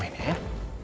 kalo dia udah bilang